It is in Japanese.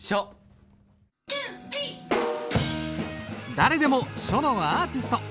誰でも書のアーティスト。